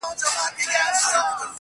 مخامخ وتراشل سوي بت ته ناست دی.